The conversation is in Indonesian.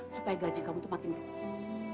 supaya gaji kamu tuh makin kecil